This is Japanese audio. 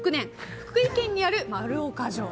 福井県にある丸岡城。